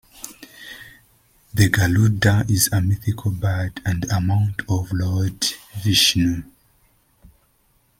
The Garuda is a mythical bird and the mount of Lord Vishnu.